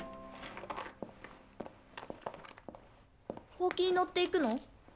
ホウキに乗っていくの？